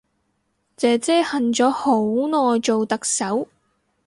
姐姐恨咗好耐做特首